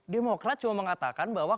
demokrat cuma mengatakan bahwa